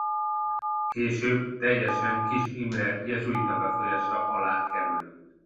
Később teljesen Kis Imre jezsuita befolyása alá került.